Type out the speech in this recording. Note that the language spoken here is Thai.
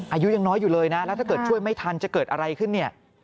อายุยังน้อยอยู่เลยนะแล้วถ้าเกิดช่วยไม่ทันจะเกิดอะไรขึ้นเนี่ย